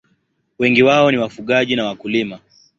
Wengi wao ni wafugaji na wakulima.